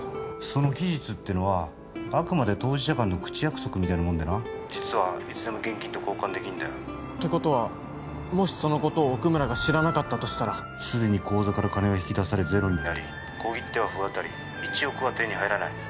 その期日ってのはあくまで当事者間の口約束みたいなもんでな☎実はいつでも現金と交換できんだよってことはもしそのことを奥村が知らなかったとしたらすでに口座から金は引き出されゼロになり☎小切手は不渡り１億は手に入らない☎